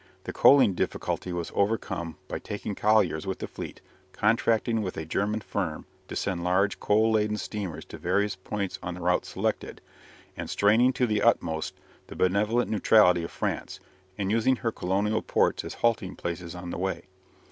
The coaling difficulty was overcome by taking colliers with the fleet, contracting with a German firm to send large coal laden steamers to various points on the route selected, and straining to the utmost the benevolent neutrality of France, and using her colonial ports as halting places on the way.